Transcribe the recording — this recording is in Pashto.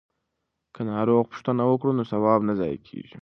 که ناروغ پوښتنه وکړو نو ثواب نه ضایع کیږي.